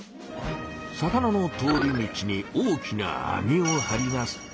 魚の通り道に大きな網をはります。